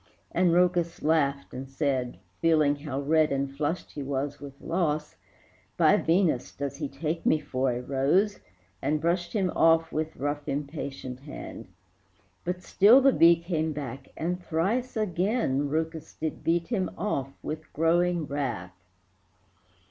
And Rhœcus laughed and said, Feeling how red and flushed he was with loss, "By Venus! does he take me for a rose?" And brushed him off with rough, impatient hand. But still the bee came back, and thrice again Rhœcus did beat him off with growing wrath.